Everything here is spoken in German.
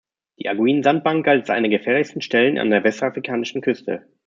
Die Arguin-Sandbank galt als eine der gefährlichsten Stellen an der westafrikanischen Küste.